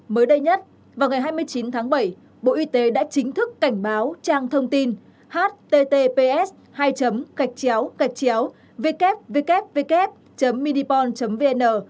mới đây nhất vào ngày hai mươi chín tháng bảy bộ y tế đã chính thức cảnh báo trang thông tin https www minipon vn